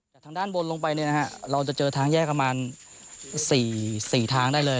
จากทางด้านบนลงไปเนี่ยนะฮะเราจะเจอทางแยกประมาณ๔ทางได้เลย